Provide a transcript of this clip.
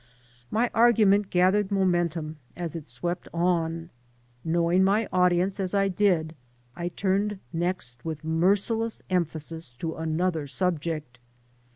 My argument gathered momentum as it swept on. Knowing my audience as I did, I turned next with merciless emphasis to another subject.